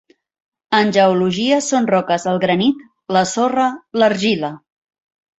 En geologia són roques el granit, la sorra, l'argila.